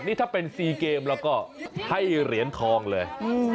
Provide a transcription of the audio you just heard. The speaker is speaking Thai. นี่ถ้าเป็น๔เกมแล้วก็ให้เหรียญทองเลย